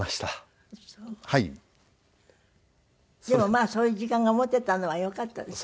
でもそういう時間が持てたのはよかったですね。